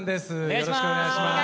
よろしくお願いします。